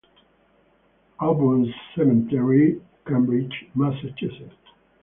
Auburn Cemetery, Cambridge, Massachusetts.